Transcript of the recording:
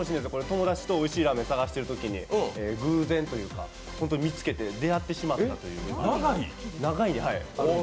友達とおいしいラーメンを探してるときに偶然というか本当に見つけて出会ってしまったという。